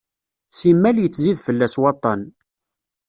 Simmal yettzid fell-as waṭṭan.